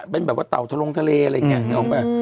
เป็นแบบว่าเต่าทะลงทะเลอะไรอย่างนี้นึกออกป่ะ